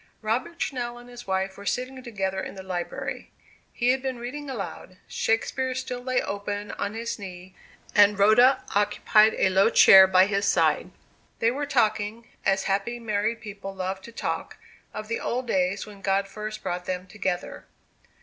Robert Channell and his wife were sitting together in the library. He had been reading aloud: Shakespeare still lay open on his knee, and Rhoda occupied a low chair by his side. They were talking, as happy married people love to talk, of the old days when God first brought them together.